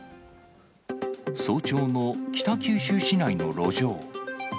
早朝の北九州市内の路上。